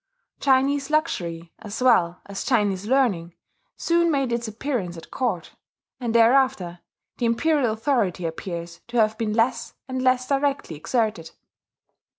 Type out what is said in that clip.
Chinese luxury, as well as Chinese learning, soon made its appearance at court; and thereafter the imperial authority appears to have been less and less directly exerted.